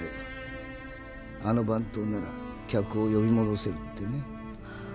あの番頭なら客を呼び戻せるってね。